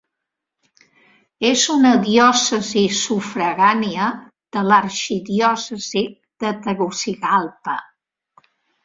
És una diòcesi sufragània de l'arxidiòcesi de Tegucigalpa.